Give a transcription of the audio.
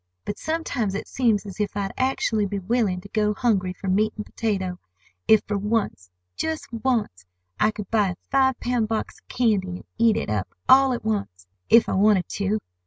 But sometimes it seems as if I'd actually be willing to go hungry for meat and potato, if for once—just once—I could buy a five pound box of candy, and eat it up all at once, if I wanted to!